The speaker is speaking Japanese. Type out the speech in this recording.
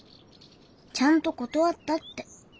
ちゃんと断ったって。